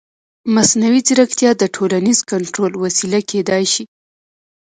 مصنوعي ځیرکتیا د ټولنیز کنټرول وسیله کېدای شي.